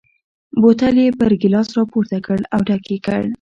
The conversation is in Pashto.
بوتل یې پر ګیلاس را پورته کړ او ډک یې کړ.